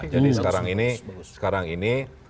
jadi sekarang ini